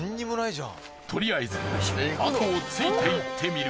とりあえず後をついていってみる。